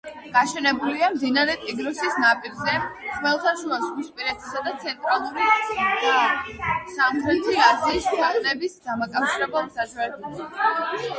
გაშენებულია მდინარე ტიგროსის ნაპირებზე, ხმელთაშუაზღვისპირეთისა და ცენტრალური და სამხრეთი აზიის ქვეყნების დამაკავშირებელ გზაჯვარედინზე.